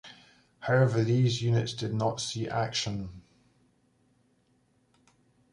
However, these units did not see action.